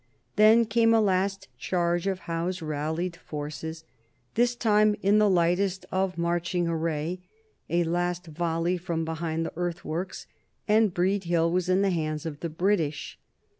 Then came a last charge of Howe's rallied forces, this time in the lightest of marching array, a last volley from behind the earth works, and Breed Hill was in the hands of the British.